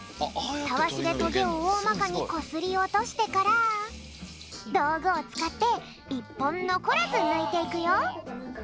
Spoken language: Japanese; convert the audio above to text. タワシでトゲをおおまかにこすりおとしてからどうぐをつかっていっぽんのこらずぬいていくよ。